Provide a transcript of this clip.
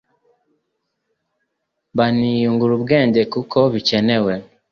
baniyungura ubwenge kuko bikenewe